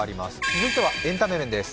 続いてはエンタメ面です。